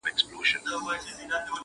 د الماسو یو غمی یې وو ورکړی-